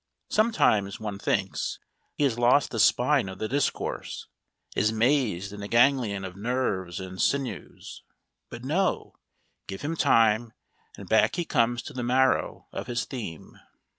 Sometimes, one thinks, he has lost the spine of the discourse, is mazed in a ganglion of nerves and sinews. But no! give him time and back he comes to the marrow of his theme!